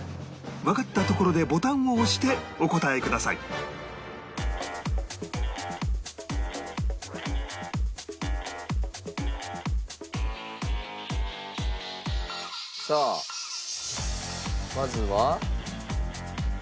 わかったところでボタンを押してお答えくださいさあまずは。